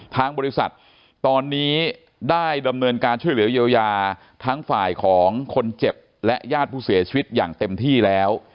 ทางบริษัทตอนนี้ได้ดำเนินการช่วยเหลือเยียวยาทั้งฝ่ายของคนเจ็บและญาติผู้เสียชีวิตอย่างเต็มที่แล้ว